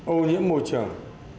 ô nhiễm môi trường